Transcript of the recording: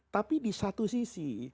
tapi di satu sisi